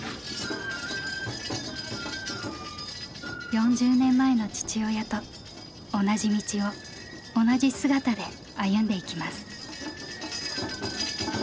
４０年前の父親と同じ道を同じ姿で歩んでいきます。